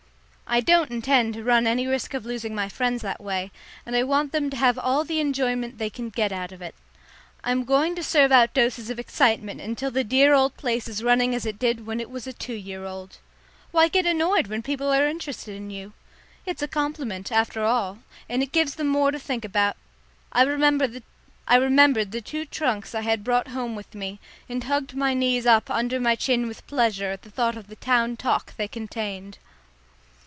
I don't intend to run any risk of losing my friends that way, and I want them to have all the enjoyment they can get out of it. I'm going to serve out doses of excitement until the dear old place is running as it did when it was a two year old. Why get annoyed when people are interested in you? It's a compliment, after all, and gives them more to think about. I remembered the two trunks I had brought home with me, and hugged my knees up under my chin with pleasure at the thought of the town talk they contained.